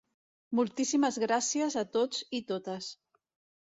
Moltíssimes gràcies a tots i totes.